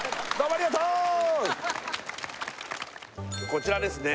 こちらですね